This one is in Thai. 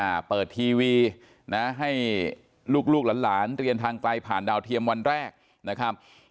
อ่าเปิดทีวีนะให้ลูกลูกหลานหลานเรียนทางไกลผ่านดาวเทียมวันแรกนะครับ